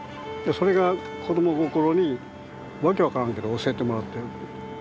それが子供心に訳分からんけど教えてもらってる。